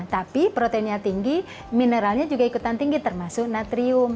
tapi proteinnya tinggi mineralnya juga ikutan tinggi termasuk natrium